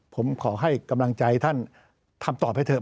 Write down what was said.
ผมขอให้กำลังใจท่านคำตอบให้เถอ